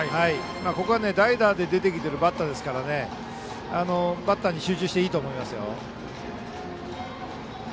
ここは代打で出てきているバッターですからバッターに集中していいです。